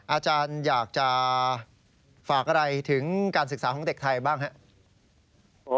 อาจารย์อยากจะฝากอะไรถึงการศึกษาของเด็กไทยบ้างครับ